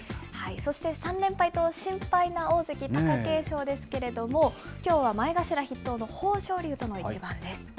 そして３連敗と心配な大関・貴景勝ですけれども、きょうは前頭筆頭の豊昇龍との一番です。